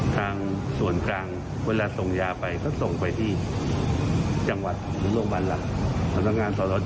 ทางส่วนกลางเวลาส่งยาไปก็ส่งไปที่จังหวัดหรือโรงพยาบาลหลักสำนักงานสร